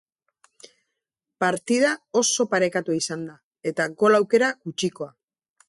Partida oso parekatua izan da, eta gol-aukera gutxikoa.